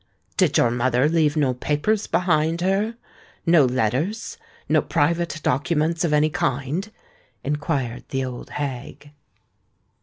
"Did your mother leave no papers behind her—no letters—no private documents of any kind?" inquired the old hag.